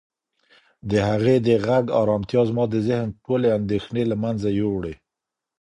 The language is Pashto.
د هغې د غږ ارامتیا زما د ذهن ټولې اندېښنې له منځه یووړې.